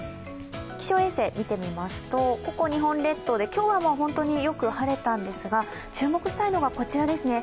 気象衛星見てみますとここ日本列島で、今日は本当によく晴れたんですが、注目したいのはこちらですね。